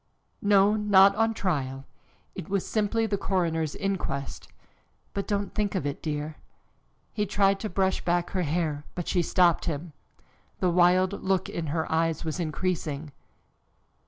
"No, not on trial. It was simply the coroner's inquest. But don't think of it, dear." He tried to brush back her hair, but she stopped him. The wild look in her eyes was increasing.